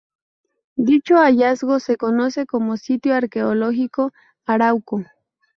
Dicho hallazgo se conoce como Sitio arqueológico Arauco.